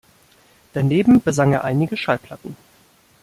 Daneben besang er einige Schallplatten.